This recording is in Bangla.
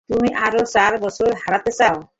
তুমি আরও চার বছর হারাতে চাও?